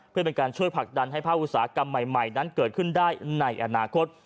เพื่อเป็นการช่วยผลักดันให้ภาคอุตสาหกรรมใหม่นั้นเกิดขึ้นได้ในอนาคต